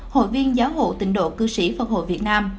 hội viên giáo hội tịnh độ cư sĩ phật hội việt nam